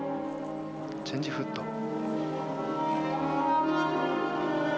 チェンジフット。